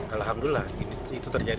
alhamdulillah itu terjadi